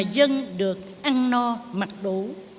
dân được ăn no mặc đủ